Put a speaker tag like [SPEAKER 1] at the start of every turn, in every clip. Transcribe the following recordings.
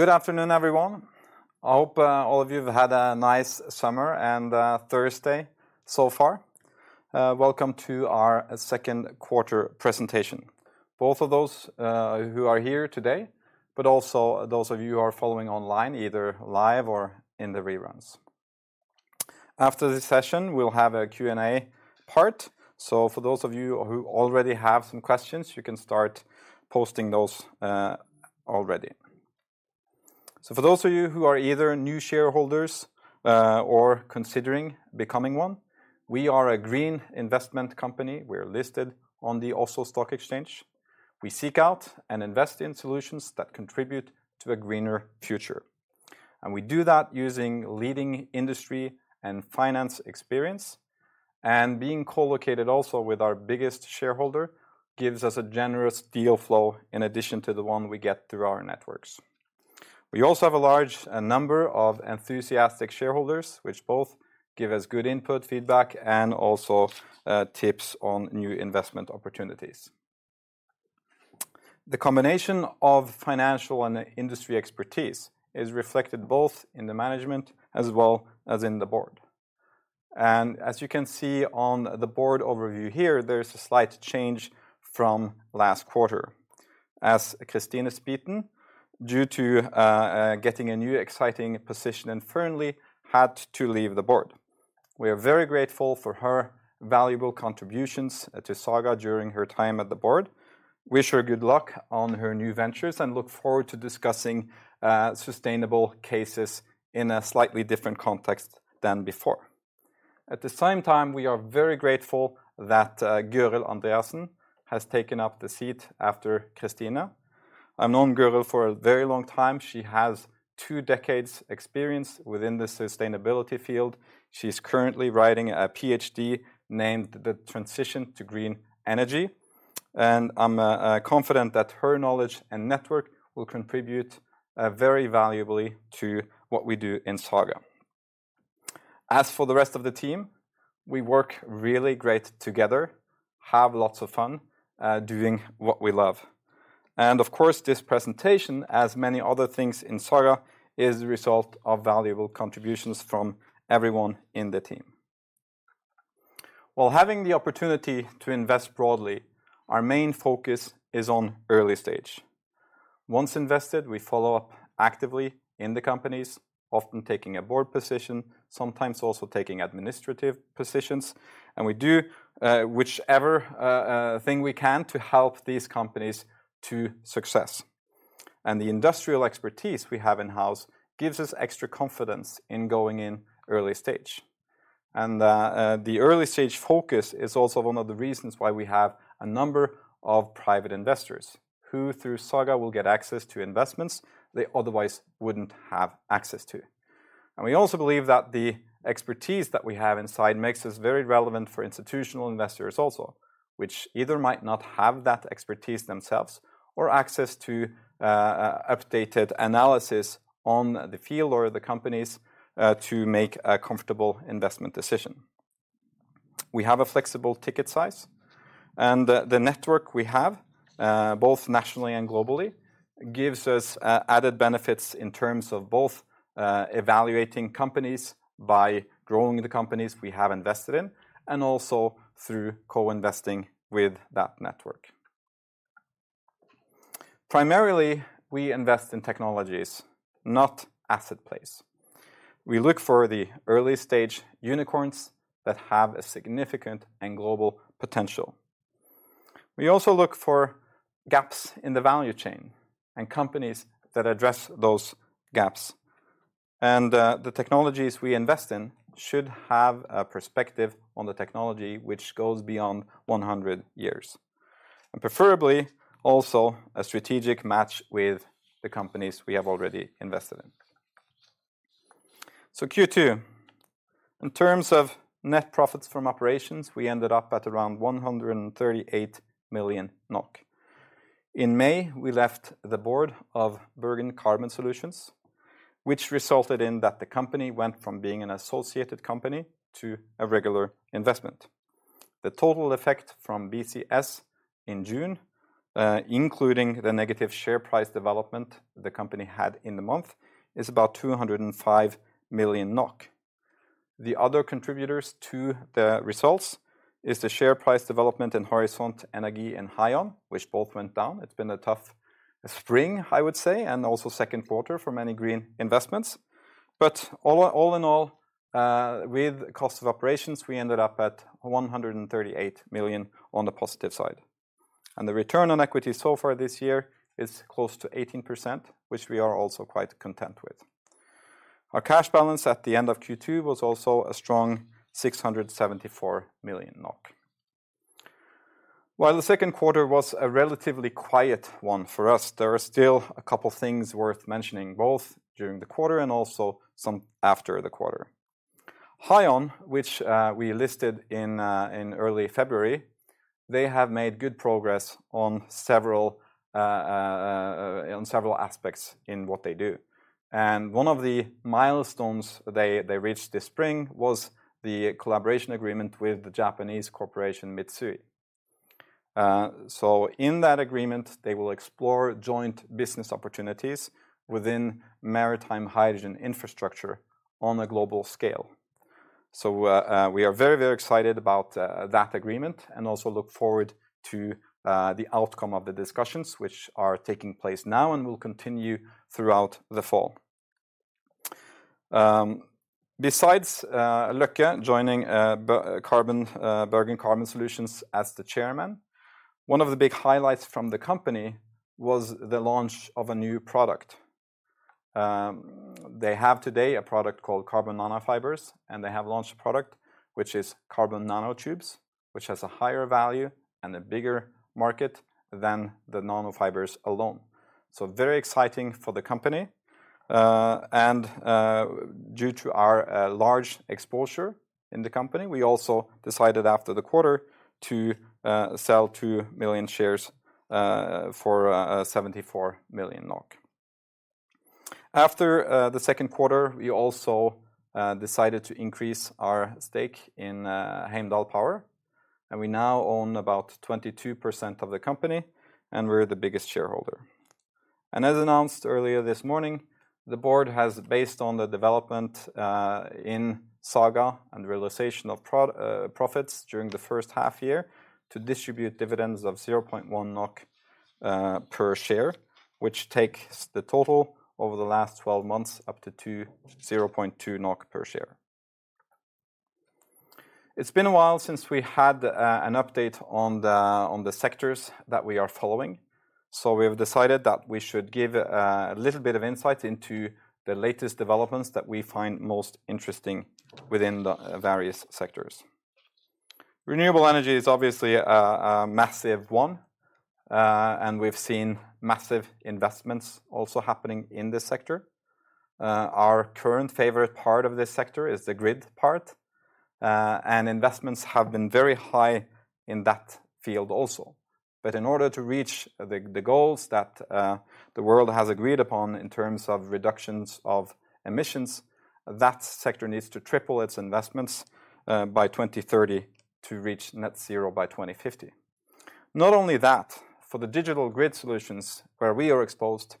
[SPEAKER 1] Good afternoon, everyone. I hope all of you have had a nice summer and Thursday so far. Welcome to our second quarter presentation. Both of those who are here today, but also those of you who are following online, either live or in the reruns. After this session, we'll have a Q&A part. For those of you who already have some questions, you can start posting those already. For those of you who are either new shareholders or considering becoming one, we are a green investment company. We're listed on the Oslo Stock Exchange. We seek out and invest in solutions that contribute to a greener future. We do that using leading industry and finance experience and being co-located also with our biggest shareholder gives us a generous deal flow in addition to the one we get through our networks. We also have a large number of enthusiastic shareholders, which both give us good input, feedback, and also tips on new investment opportunities. The combination of financial and industry expertise is reflected both in the management as well as in the board. As you can see on the board overview here, there's a slight change from last quarter. As Christine Spiten, due to getting a new exciting position in Fearnley, had to leave the board. We are very grateful for her valuable contributions to Saga during her time at the board. Wish her good luck on her new ventures and look forward to discussing sustainable cases in a slightly different context than before. At the same time, we are very grateful that Gøril Andreassen has taken up the seat after Christine. I've known Gøril for a very long time. She has two decades experience within the sustainability field. She's currently writing a Ph.D. named The Transition to Green Energy, and I'm confident that her knowledge, and network will contribute very valuably to what we do in Saga. As for the rest of the team, we work really great together, have lots of fun doing what we love. Of course, this presentation as many other things in Saga, is a result of valuable contributions from everyone in the team. While having the opportunity to invest broadly, our main focus is on early stage. Once invested, we follow up actively in the companies, often taking a board position, sometimes also taking administrative positions, and we do whichever thing we can to help these companies to success. The industrial expertise we have in-house gives us extra confidence in going in early stage. The early stage focus is also one of the reasons why we have a number of private investors who, through Saga, will get access to investments they otherwise wouldn't have access to. We also believe that the expertise that we have inside makes us very relevant for institutional investors also, which either might not have that expertise themselves or access to updated analysis on the field or the companies, to make a comfortable investment decision. We have a flexible ticket size and the network we have both nationally and globally gives us added benefits in terms of both, evaluating companies by growing the companies we have invested in and also through co-investing with that network. Primarily, we invest in technologies, not asset plays. We look for the early stage unicorns that have a significant and global potential. We also look for gaps in the value chain and companies that address those gaps. The technologies we invest in should have a perspective on the technology which goes beyond 100 years, and preferably also a strategic match with the companies we have already invested in. Q2 in terms of net profits from operations, we ended up at around 138 million NOK. In May, we left the board of Bergen Carbon Solutions, which resulted in that the company went from being an associated company to a regular investment. The total effect from BCS in June, including the negative share price development the company had in the month, is about 205 million NOK. The other contributors to the results is the share price development in Horisont Energi and Hyon, which both went down. It's been a tough spring, I would say, and also second quarter for many green investments. All in all, with cost of operations, we ended up at 138 million on the positive side. The return on equity so far this year is close to 18%, which we are also quite content with. Our cash balance at the end of Q2 was also a strong 674 million NOK. While the second quarter was a relatively quiet one for us, there are still a couple things worth mentioning, both during the quarter and also some after the quarter. Hyon, which we listed in early February, they have made good progress on several aspects in what they do. One of the milestones they reached this spring was the collaboration agreement with the Japanese Corporation Mitsui. In that agreement, they will explore joint business opportunities within maritime hydrogen infrastructure on a global scale. We are very excited about that agreement and also look forward to the outcome of the discussions which are taking place now and will continue throughout the fall. Besides Løkke joining Bergen Carbon Solutions as the Chairman, one of the big highlights from the company was the launch of a new product. They have today a product called carbon nanofibers, and they have launched a product which is carbon nanotubes, which has a higher value and a bigger market than the nanofibers alone. Very exciting for the company. Due to our large exposure in the company, we also decided after the quarter to sell 2 million shares for 74 million NOK. After the second quarter, we also decided to increase our stake in Heimdal Power, and we now own about 22% of the company, and we're the biggest shareholder. As announced earlier this morning, the Board has based on the development in Saga and realization of profits during the first half year to distribute dividends of 0.1 NOK per share, which takes the total over the last 12 months up to 0.2 NOK per share. It's been a while since we had an update on the sectors that we are following. We have decided that we should give a little bit of insight into the latest developments that we find most interesting within the various sectors. Renewable energy is obviously a massive one and we've seen massive investments also happening in this sector. Our current favorite part of this sector is the grid part and investments have been very high in that field also. In order to reach the goals that the world has agreed upon in terms of reductions of emissions, that sector needs to triple its investments by 2030 to reach net zero by 2050. Not only that, for the digital grid solutions where we are exposed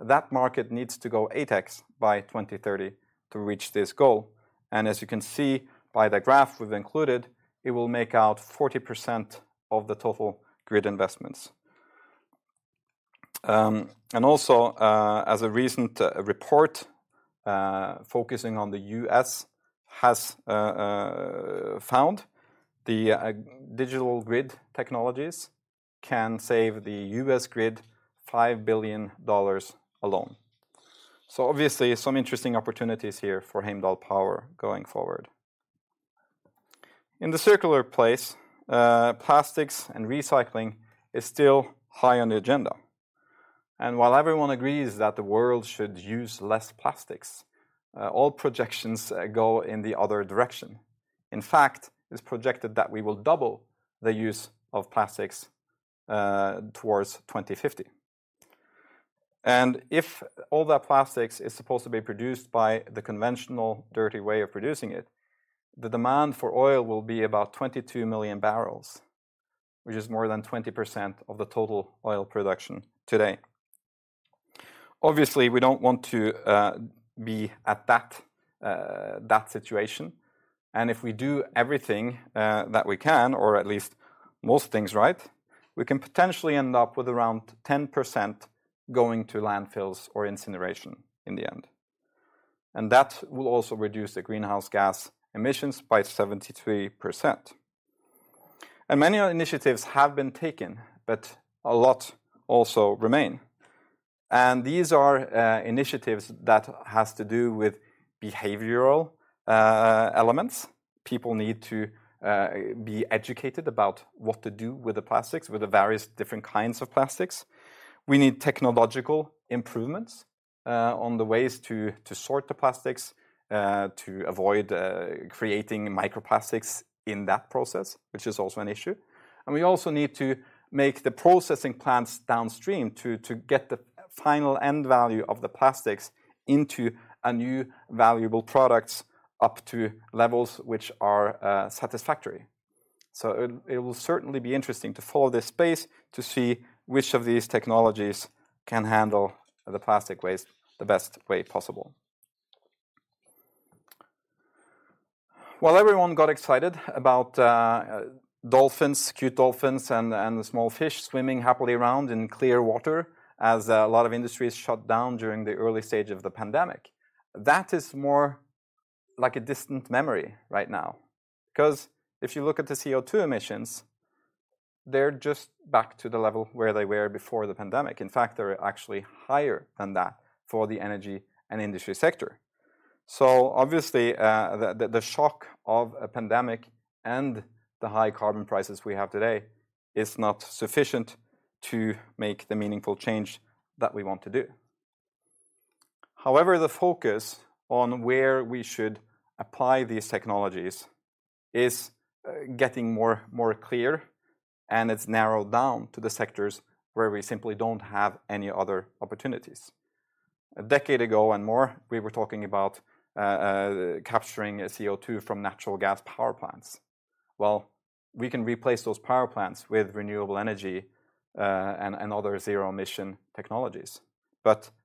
[SPEAKER 1] that market needs to go 8x by 2030 to reach this goal. As you can see by the graph we've included, it will make up 40% of the total grid investments. As a recent report focusing on the U.S. has found the digital grid technologies can save the U.S. grid $5 billion alone. Obviously some interesting opportunities here for Heimdal Power going forward. In the circular space, plastics and recycling is still high on the agenda. While everyone agrees that the world should use less plastics, all projections go in the other direction. In fact, it's projected that we will double the use of plastics towards 2050. If all that plastics is supposed to be produced by the conventional dirty way of producing it, the demand for oil will be about 22 million barrels, which is more than 20% of the total oil production today. Obviously, we don't want to be at that situation and if we do everything that we can, or at least most things right, we can potentially end up with around 10% going to landfills or incineration in the end. That will also reduce the greenhouse gas emissions by 73%. Many initiatives have been taken, but a lot also remain. These are initiatives that has to do with behavioral elements. People need to be educated about what to do with the plastics, with the various different kinds of plastics. We need technological improvements on the ways to sort the plastics to avoid creating microplastics in that process, which is also an issue. We also need to make the processing plants downstream to get the final end value of the plastics into a new valuable products up to levels which are satisfactory. It will certainly be interesting to follow this space to see which of these technologies can handle the plastic waste the best way possible. While everyone got excited about dolphins, cute dolphins, and small fish swimming happily around in clear water as a lot of industries shut down during the early stage of the pandemic, that is more like a distant memory right now. Cause if you look at the CO₂ emissions, they're just back to the level where they were before the pandemic. In fact, they're actually higher than that for the energy and industry sector. Obviously, the shock of a pandemic and the high carbon prices we have today is not sufficient to make the meaningful change that we want to do. However, the focus on where we should apply these technologies is getting more clear, and it's narrowed down to the sectors where we simply don't have any other opportunities. A decade ago and more, we were talking about capturing CO2 from natural gas power plants. Well, we can replace those power plants with renewable energy and other zero emission technologies.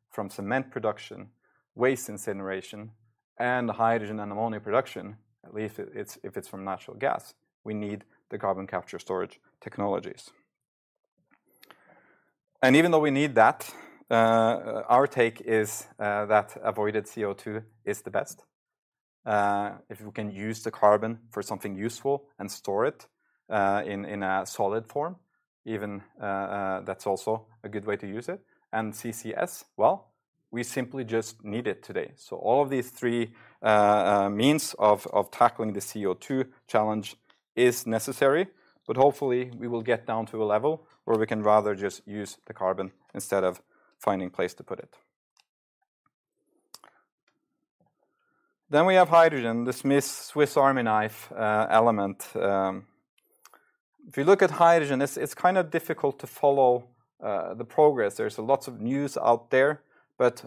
[SPEAKER 1] From cement production, waste incineration, and hydrogen and ammonia production, at least it's, if it's from natural gas, we need the carbon capture storage technologies. Even though we need that, our take is that avoided CO2 is the best. If we can use the carbon for something useful and store it in a solid form, even that's also a good way to use it. CCS, well, we simply just need it today. All of these three means of tackling the CO2 challenge is necessary, but hopefully we will get down to a level where we can rather just use the carbon instead of finding place to put it. We have hydrogen, the Swiss Army knife element. If you look at hydrogen, it's kind of difficult to follow the progress. There's lots of news out there.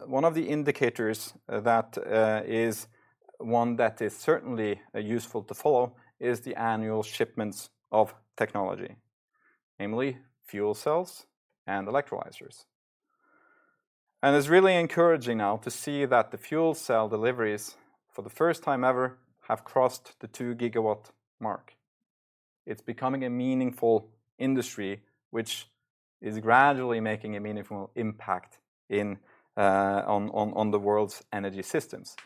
[SPEAKER 1] One of the indicators that is one that is certainly useful to follow is the annual shipments of technology, namely fuel cells and electrolyzers. It's really encouraging now to see that the fuel cell deliveries, for the first time ever, have crossed the 2 GW mark. It's becoming a meaningful industry which is gradually making a meaningful impact in on the world's energy systems.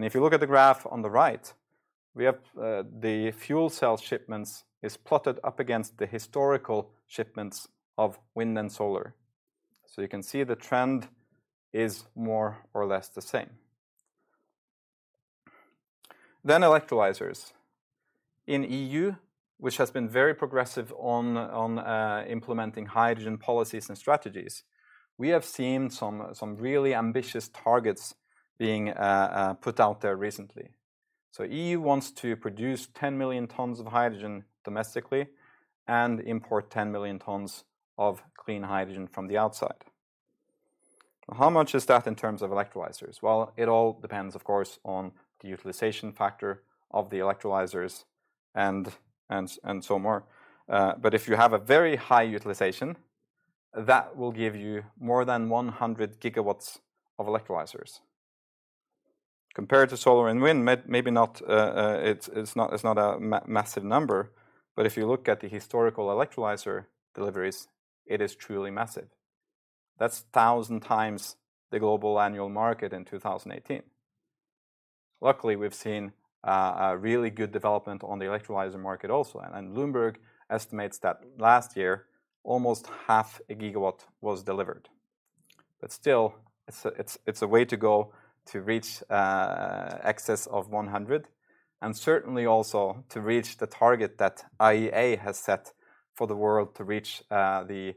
[SPEAKER 1] If you look at the graph on the right, we have the fuel cell shipments is plotted up against the historical shipments of wind and solar. You can see the trend is more or less the same. Electrolyzers. In EU, which has been very progressive on implementing hydrogen policies and strategies, we have seen some really ambitious targets being put out there recently. EU wants to produce 10 million tons of hydrogen domestically and import 10 million tons of clean hydrogen from the outside. How much is that in terms of electrolyzers? It all depends, of course, on the utilization factor of the electrolyzers and so on. If you have a very high utilization, that will give you more than 100 GW of electrolyzers. Compared to solar and wind, maybe not, it's not a massive number. If you look at the historical electrolyzer deliveries, it is truly massive. That's 1,000 times the global annual market in 2018. Luckily, we've seen a really good development on the electrolyzer market also. Bloomberg estimates that last year, almost 0.5 GW Still, it's a way to go to reach excess of 100, and certainly also to reach the target that IEA has set for the world to reach the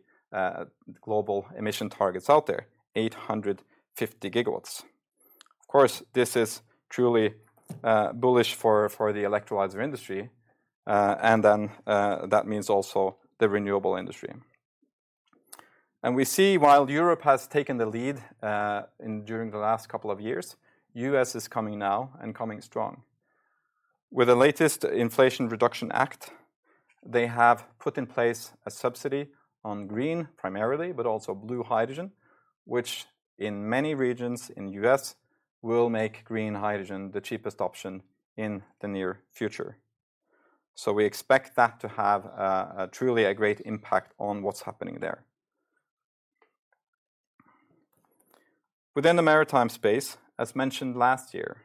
[SPEAKER 1] global emission targets out there, 850 GW. Of course, this is truly bullish for the electrolyzer industry, and then that means also the renewable industry. We see while Europe has taken the lead and during the last couple of years, U.S. is coming now and coming strong. With the latest Inflation Reduction Act, they have put in place a subsidy on green, primarily, but also blue hydrogen, which in many regions in the U.S. will make green hydrogen the cheapest option in the near future. We expect that to have truly a great impact on what's happening there. Within the maritime space, as mentioned last year,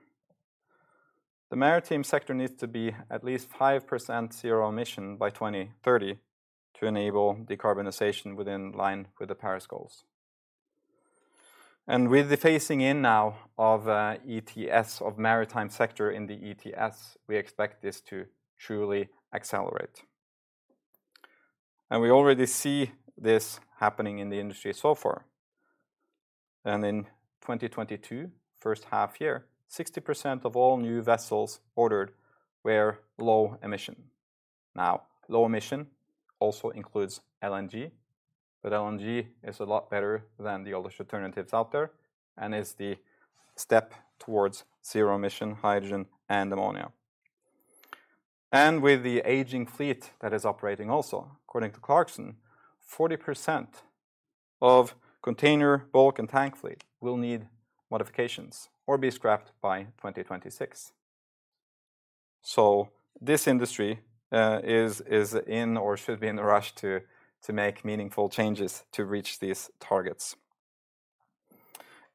[SPEAKER 1] the maritime sector needs to be at least 5% zero emission by 2030 to enable decarbonization in line with the Paris goals. With the phasing in now of ETS for the maritime sector in the ETS, we expect this to truly accelerate. We already see this happening in the industry so far. In 2022, first half year, 60% of all new vessels ordered were low emission. Now, low emission also includes LNG, but LNG is a lot better than the other alternatives out there, and is the step towards zero emission hydrogen and ammonia. With the aging fleet that is operating also, according to Clarksons, 40% of container bulk and tank fleet will need modifications or be scrapped by 2026. This industry is in or should be in a rush to make meaningful changes to reach these targets.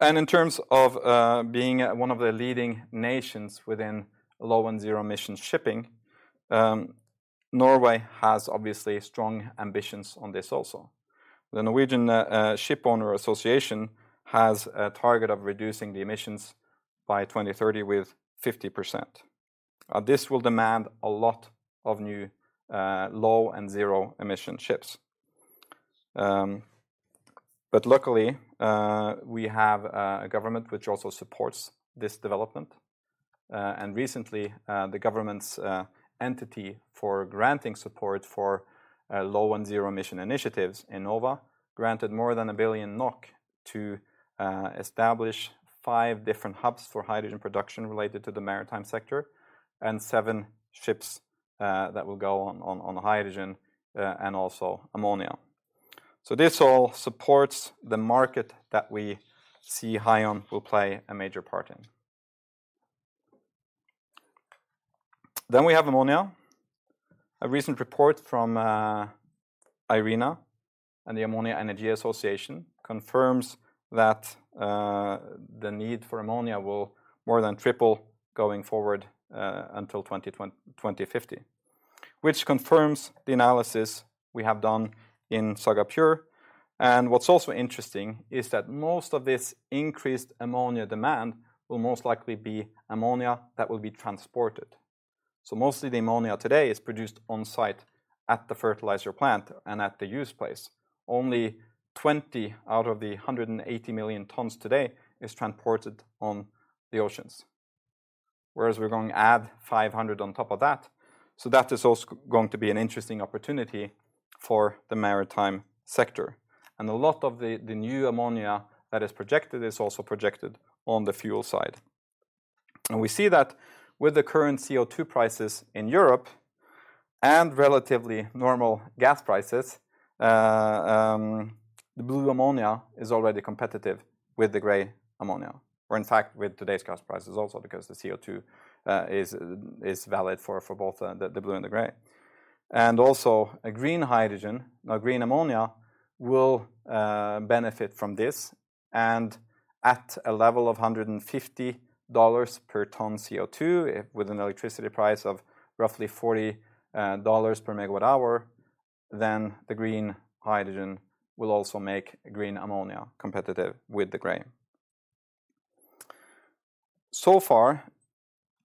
[SPEAKER 1] In terms of being one of the leading nations within low and zero emission shipping, Norway has obviously strong ambitions on this also. The Norwegian Shipowners' Association has a target of reducing the emissions by 2030 with 50%. This will demand a lot of new low and zero emission ships. Luckily, we have a government which also supports this development. Recently, the government's entity for granting support for low and zero emission initiatives, Enova, granted more than 1 billion NOK to establish five different hubs for hydrogen production related to the maritime sector and seven ships that will go on hydrogen and also ammonia. This all supports the market that we see Hyon will play a major part in. We have ammonia. A recent report from IRENA and the Ammonia Energy Association confirms that the need for ammonia will more than triple going forward until 2050. Which confirms the analysis we have done in Saga Pure. What's also interesting is that most of this increased ammonia demand will most likely be ammonia that will be transported. Mostly the ammonia today is produced on site at the fertilizer plant and at the use place. Only 20 million tons out of the 180 million tons today is transported on the oceans. Whereas we're going to add 500 million tons on top of that. That is also going to be an interesting opportunity for the maritime sector. A lot of the new ammonia that is projected is also projected on the fuel side. We see that with the current CO2 prices in Europe and relatively normal gas prices, the blue ammonia is already competitive with the gray ammonia. In fact, with today's gas prices also, because the CO2 is valid for both the blue and the gray. Also green ammonia will benefit from this. At a level of $150 per ton CO2, with an electricity price of roughly $40 per MWh, then the green hydrogen will also make green ammonia competitive with the gray. Far,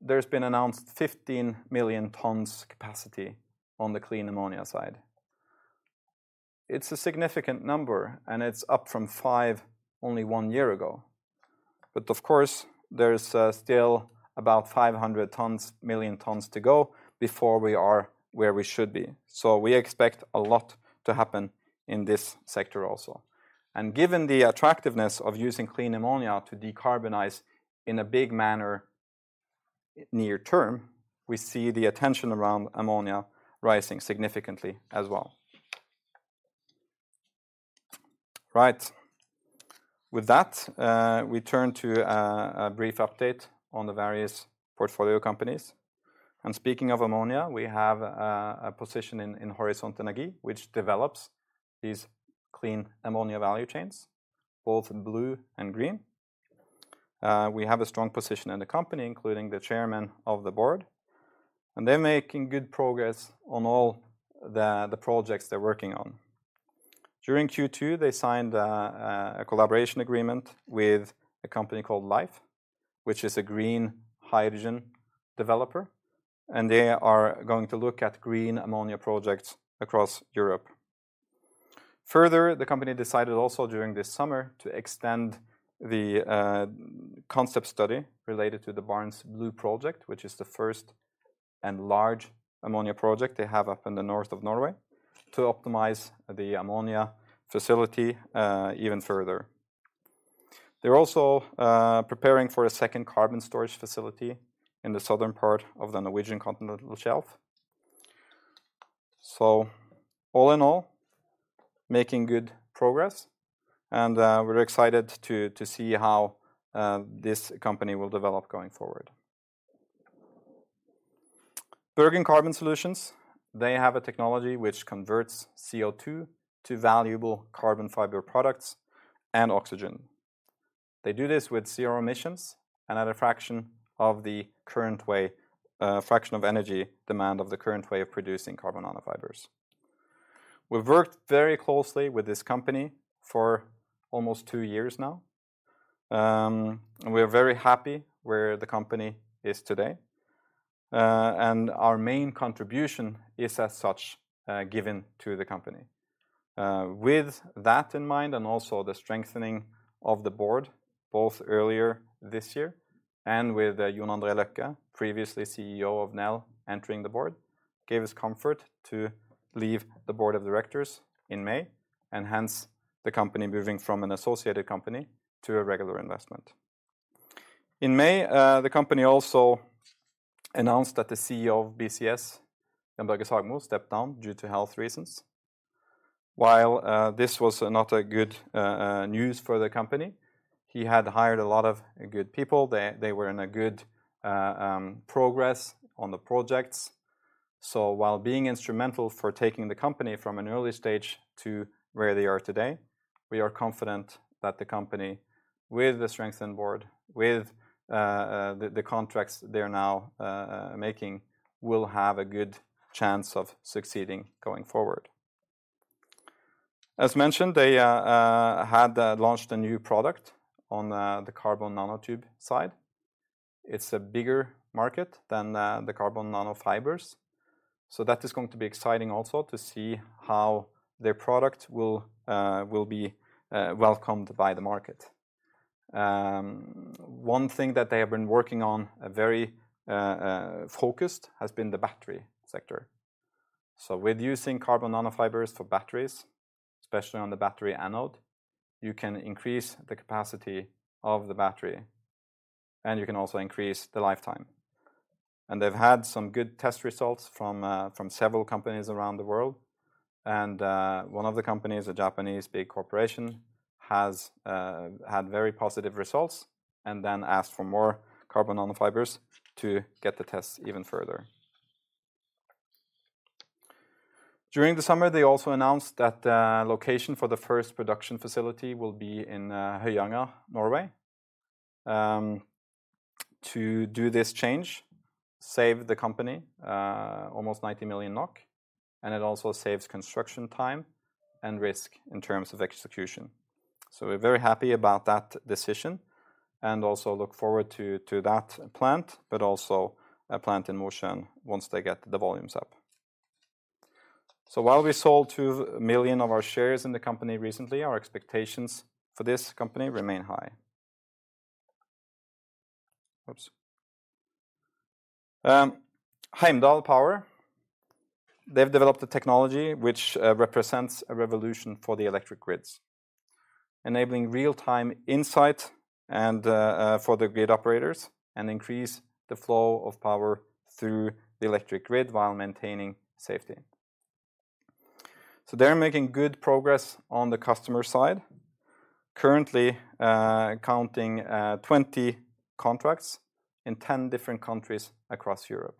[SPEAKER 1] there's been announced 15 million tons capacity on the clean ammonia side. It's a significant number, and it's up from five only one year ago. Of course, there's still about 500 million tons to go before we are where we should be. We expect a lot to happen in this sector also. Given the attractiveness of using clean ammonia to decarbonize in a big manner near term, we see the attention around ammonia rising significantly as well. Right. With that, we turn to a brief update on the various portfolio companies. Speaking of ammonia, we have a position in Horisont Energi, which develops these clean ammonia value chains, both blue and green. We have a strong position in the company, including the Chairman of the Board. They're making good progress on all the projects they're working on. During Q2, they signed a collaboration agreement with a company called Lhyfe, which is a green hydrogen developer. They are going to look at green ammonia projects across Europe. Further, the company decided also during this summer to extend the concept study related to the Barents Blue project, which is the first and large ammonia project they have up in the north of Norway, to optimize the ammonia facility even further. They're also preparing for a second carbon storage facility in the southern part of the Norwegian continental shelf. All in all, making good progress. We're excited to see how this company will develop going forward. Bergen Carbon Solutions, they have a technology which converts CO2 to valuable carbon fiber products and oxygen. They do this with zero emissions and at a fraction of energy demand of the current way of producing carbon nanofibers. We've worked very closely with this company for almost two years now. We're very happy where the company is today. Our main contribution is as such, given to the company. With that in mind, and also the strengthening of the board, both earlier this year and with Jon André Løkke, previously CEO of Nel, entering the board, gave us comfort to leave the Board of Directors in May, and hence the company moving from an associated company to a regular investment. In May, the company also announced that the CEO of BCS, Jan Børge Sagmo, stepped down due to health reasons. While this was not good news for the company, he had hired a lot of good people. They were in good progress on the projects. While being instrumental for taking the company from an early stage to where they are today, we are confident that the company, with the strengthened board, with the contracts they are now making, will have a good chance of succeeding going forward. As mentioned, they had launched a new product on the carbon nanotube side. It's a bigger market than the carbon nanofibers. That is going to be exciting also to see how their product will be welcomed by the market. One thing that they have been working on very focused has been the battery sector. With using carbon nanofibers for batteries, especially on the battery anode, you can increase the capacity of the battery, and you can also increase the lifetime. They've had some good test results from several companies around the world, and one of the companies, a Japanese big corporation, has had very positive results and then asked for more carbon nanofibers to get the tests even further. During the summer, they also announced that the location for the first production facility will be in Høyanger, Norway. This change saves the company almost 90 million NOK, and it also saves construction time and risk in terms of execution. We're very happy about that decision and also look forward to that plant, but also a plan in motion once they get the volumes up. While we sold 2 million of our shares in the company recently, our expectations for this company remain high. Oops. Heimdal Power, they've developed a technology which represents a revolution for the electric grids, enabling real-time insight and for the grid operators and increase the flow of power through the electric grid while maintaining safety. They're making good progress on the customer side, currently counting 20 contracts in 10 different countries across Europe.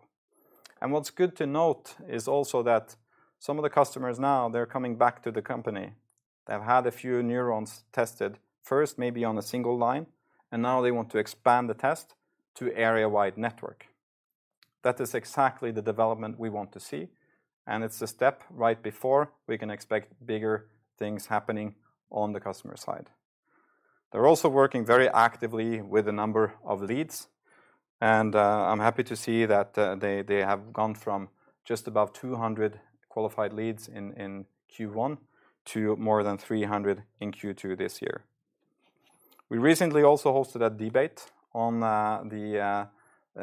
[SPEAKER 1] What's good to note is also that some of the customers now, they're coming back to the company. They've had a few neurons tested first, maybe on a single line, and now they want to expand the test to area-wide network. That is exactly the development we want to see, and it's a step right before we can expect bigger things happening on the customer side. They're also working very actively with a number of leads, and I'm happy to see that they have gone from just above 200 qualified leads in Q1 to more than 300 in Q2 this year. We recently also hosted a debate on the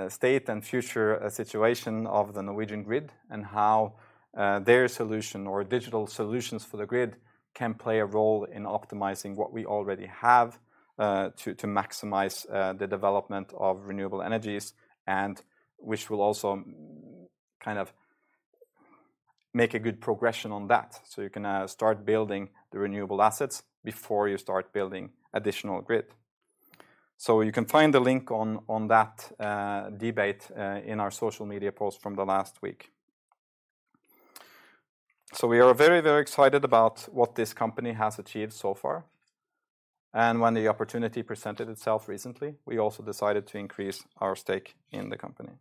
[SPEAKER 1] state and future situation of the Norwegian grid and how their solution or digital solutions for the grid can play a role in optimizing what we already have to maximize the development of renewable energies, and which will also kind of make a good progression on that. You can start building the renewable assets before you start building additional grid. You can find the link on that debate in our social media post from the last week. We are very, very excited about what this company has achieved so far. When the opportunity presented itself recently, we also decided to increase our stake in the company.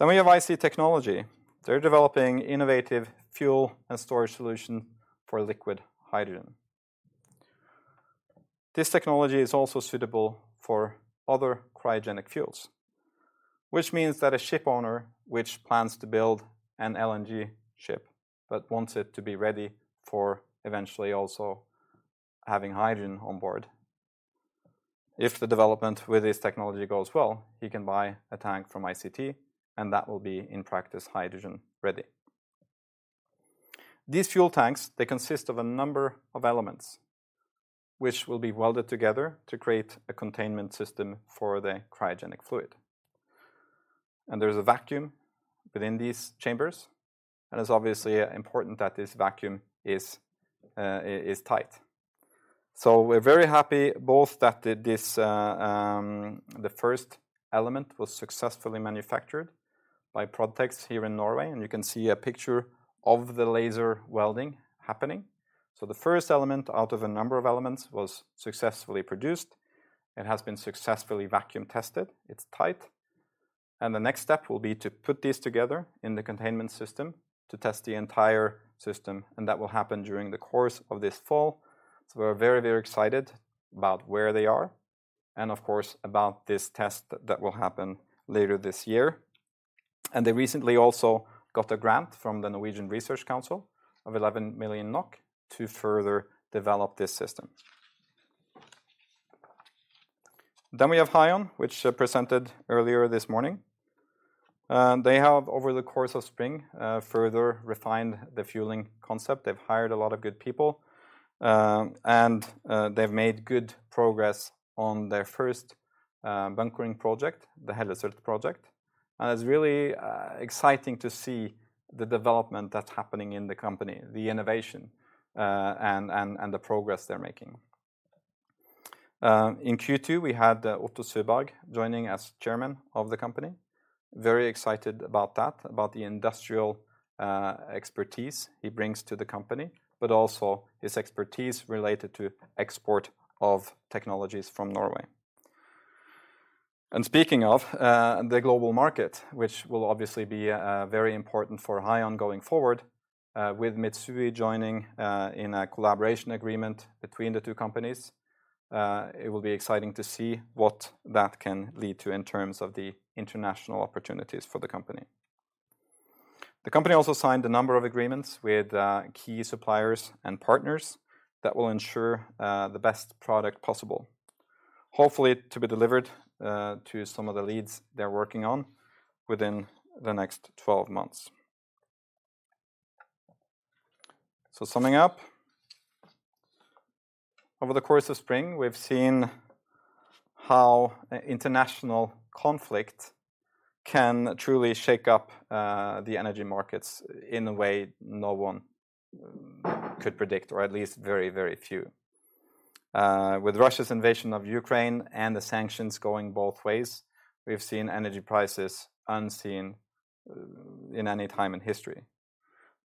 [SPEAKER 1] We have IC Technology. They're developing innovative fuel and storage solution for liquid hydrogen. This technology is also suitable for other cryogenic fuels, which means that a ship owner which plans to build an LNG ship but wants it to be ready for eventually also having hydrogen on board. If the development with this technology goes well, he can buy a tank from IC Technology, and that will be, in practice, hydrogen-ready. These fuel tanks, they consist of a number of elements which will be welded together to create a containment system for the cryogenic fluid. There is a vacuum within these chambers, and it's obviously important that this vacuum is tight. We're very happy both that the first element was successfully manufactured by Prodtex here in Norway, and you can see a picture of the laser welding happening. The first element out of a number of elements was successfully produced. It has been successfully vacuum tested. It's tight. The next step will be to put these together in the containment system to test the entire system, and that will happen during the course of this fall. We're very, very excited about where they are and of course about this test that will happen later this year. They recently also got a grant from The Research Council of Norway of 11 million NOK to further develop this system. We have Hyon, which presented earlier this morning. They have over the course of spring further refined the fueling concept. They've hired a lot of good people, and they've made good progress on their first bunkering project, the Hellesøy Verft. It's really exciting to see the development that's happening in the company, the innovation, and the progress they're making. In Q2, we had Otto Søberg joining as chairman of the company. Very excited about that, about the industrial expertise he brings to the company, but also his expertise related to export of technologies from Norway. Speaking of the global market, which will obviously be very important for Hyon going forward, with Mitsui joining in a collaboration agreement between the two companies. It will be exciting to see what that can lead to in terms of the international opportunities for the company. The company also signed a number of agreements with key suppliers and partners that will ensure the best product possible, hopefully to be delivered to some of the leads they're working on within the next 12 months. Summing up, over the course of spring, we've seen how international conflict can truly shake up the energy markets in a way no one could predict, or at least very, very few. With Russia's invasion of Ukraine and the sanctions going both ways, we've seen energy prices unseen in any time in history.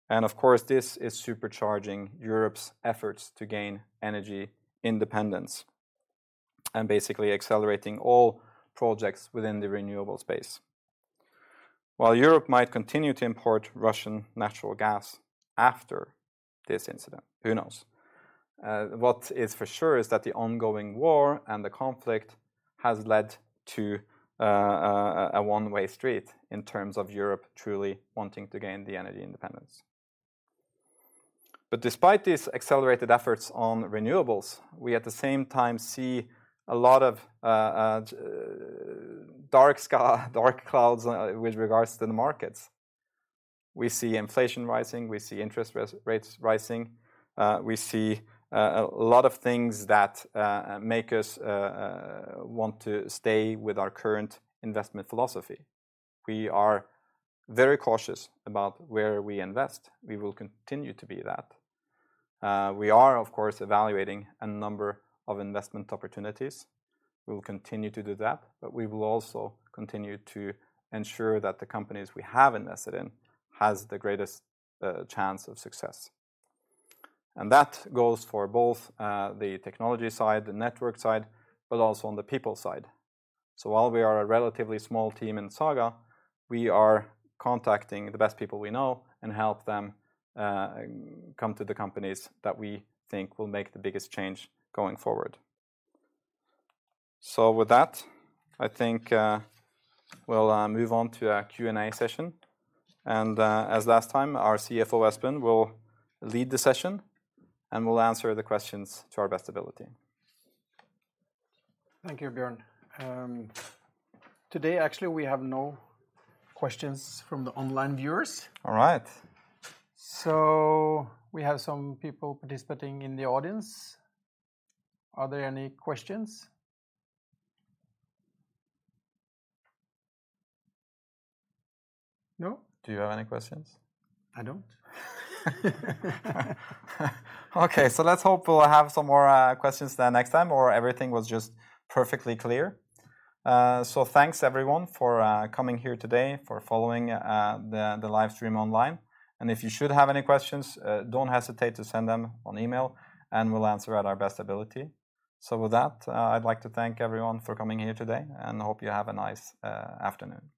[SPEAKER 1] Of course, this is supercharging Europe's efforts to gain energy independence and basically accelerating all projects within the renewable space. While Europe might continue to import Russian natural gas after this incident, who knows? What is for sure is that the ongoing war and the conflict has led to a one-way street in terms of Europe truly wanting to gain the energy independence. Despite these accelerated efforts on renewables, we at the same time see a lot of dark clouds with regards to the markets. We see inflation rising, we see interest rates rising, we see a lot of things that make us want to stay with our current investment philosophy. We are very cautious about where we invest. We will continue to be that. We are of course evaluating a number of investment opportunities. We will continue to do that, but we will also continue to ensure that the companies we have invested in has the greatest chance of success. That goes for both, the technology side, the network side, but also on the people side. While we are a relatively small team in Saga, we are contacting the best people we know and help them come to the companies that we think will make the biggest change going forward. With that, I think, we'll move on to a Q&A session. As last time, our CFO, Espen, will lead the session, and we'll answer the questions to our best ability.
[SPEAKER 2] Thank you, Bjørn. Today, actually, we have no questions from the online viewers. All right. We have some people participating in the audience. Are there any questions? No?
[SPEAKER 1] Do you have any questions?
[SPEAKER 2] I don't.
[SPEAKER 1] Okay, let's hope we'll have some more questions the next time, or everything was just perfectly clear. Thanks everyone for coming here today, for following the live stream online. If you should have any questions, don't hesitate to send them on email, and we'll answer at our best ability. With that, I'd like to thank everyone for coming here today, and hope you have a nice afternoon.